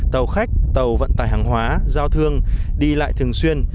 tàu khách tàu vận tải hàng hóa giao thương đi lại thường xuyên